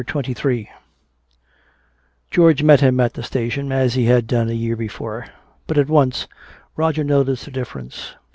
CHAPTER XXIII George met him at the station, as he had done a year before. But at once Roger noticed a difference.